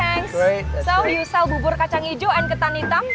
jadi kamu jual bubur kacang hijau dan ketan hitam